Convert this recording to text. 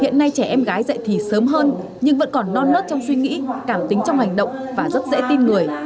hiện nay trẻ em gái dạy thì sớm hơn nhưng vẫn còn non nớt trong suy nghĩ cảm tính trong hành động và rất dễ tin người